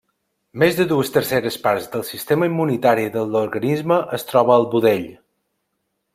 Més de dues terceres parts del sistema immunitari de l'organisme es troba al budell.